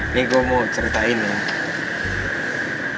nih gue mau ceritain nih